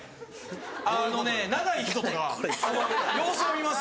あのね長い人とかは様子を見ます。